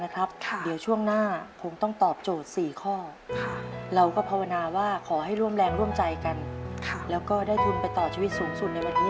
ข้อค่ะเราก็พาวนาว่าขอให้ร่วมแรงร่วมใจกันค่ะแล้วก็ได้ทุนไปต่อชีวิตสูงสุดในวันนี้